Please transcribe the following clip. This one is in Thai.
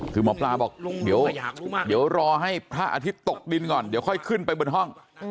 คือหมอปลาบอกเดี๋ยวรอให้พระอาทิตย์ตกดินก่อนเดี๋ยวค่อยขึ้นไปบนห้อง